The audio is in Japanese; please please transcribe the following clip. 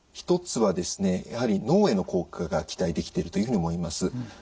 １つはですねやはり脳への効果が期待できてるというふうに思います。